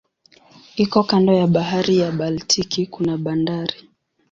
Iko kando ya bahari ya Baltiki kuna bandari.